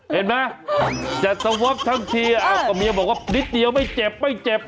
เห็นไหมจัดสวอปทั้งทีก็เมียบอกว่านิดเดียวไม่เจ็บไม่เจ็บ